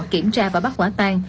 kiểm tra và bắt quả tàn